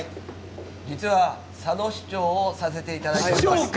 実は佐野市長をさせていただいています。